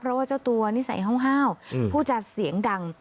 เพราะว่าเจ้าตัวนิสัยห้าวผู้จัดเสียงดัง